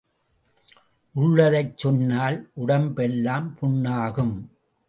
உள்ளதைச் சொன்னால் உடம்பெல்லாம் புண் ஆகும்.